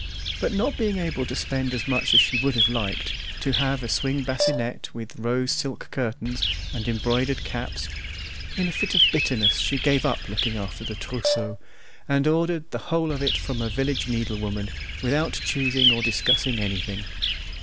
But not being able to spend as much as she would have liked, to have a swing bassinette with rose silk curtains, and embroidered caps, in a fit of bitterness she gave up looking after the trousseau, and ordered the whole of it from a village needlewoman, without choosing or discussing anything.